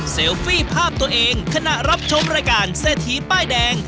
ฟี่ภาพตัวเองขณะรับชมรายการเศรษฐีป้ายแดง